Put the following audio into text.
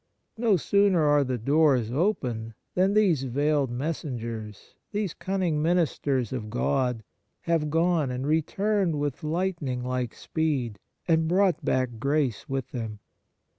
No sooner are the doors open than these veiled messengers, these cunning ministers of God, have gone and returned with light ning like speed and brought back grace with them.